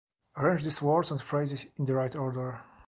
Arrange these words and phrases in the right order.